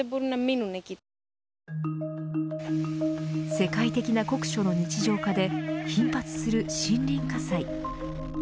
世界的な酷暑の日常化で頻発する森林火災。